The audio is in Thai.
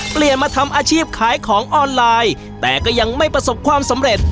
เปลี่ยนมาทำอาชีพขายของออนไลน์แต่ก็ยังไม่ประสบความสำเร็จ